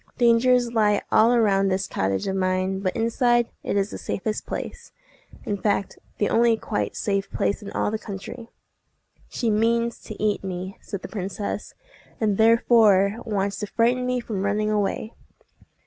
Dangers lie all around this cottage of mine; but inside, it is the safest place—in fact the only quite safe place in all the country." "She means to eat me," said the princess, "and therefore wants to frighten me from running away."